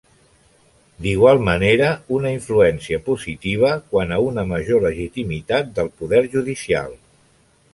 D'igual manera, una influència positiva quant a una major legitimitat del poder judicial.